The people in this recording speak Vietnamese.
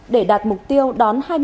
để đạt mục tiêu đón